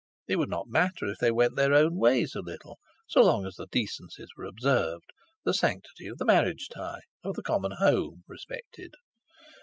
It would not matter if they went their own ways a little so long as the decencies were observed—the sanctity of the marriage tie, of the common home, respected.